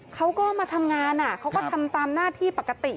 เขาก็มาทำงานเขาก็ทำตามหน้าที่ปกติ